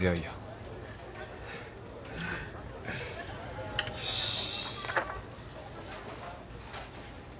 よし。